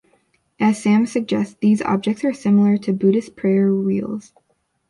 As Sam suggests, these objects are similar to Buddhist Prayer wheels.